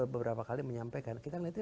beberapa kali menyampaikan kita melihatnya